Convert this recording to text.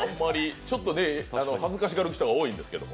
ちょっと恥ずかしがる人が多いんですけど。